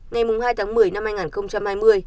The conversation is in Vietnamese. ngày hai tháng một mươi năm hai nghìn hai mươi